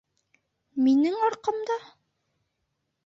— Минең арҡамда?!